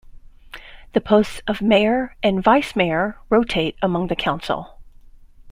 The posts of mayor and vice-mayor rotate among the council.